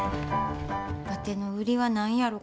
わての売りは何やろか？